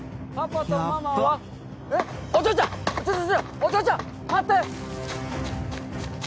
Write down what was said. お嬢ちゃん待って。